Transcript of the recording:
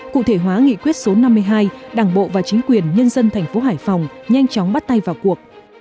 cụ thể hóa nghị quyết số năm mươi hai đảng bộ và chính quyền nhân dân thành phố hải phòng nhanh chóng bắt tay vào cuộc